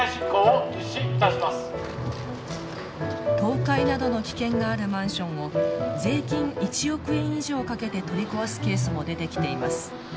倒壊などの危険があるマンションを税金１億円以上かけて取り壊すケースも出てきています。